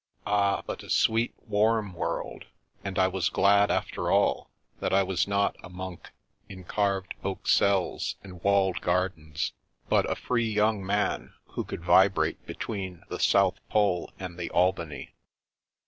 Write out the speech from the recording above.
Ah, but a sweet, warm world, and I was glad after all that I was not a monk in carved oak cells and walled gardens, but a free young man who could vibrate between the South Pole and the Albany.